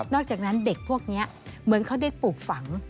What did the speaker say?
อกจากนั้นเด็กพวกนี้เหมือนเขาได้ปลูกฝัง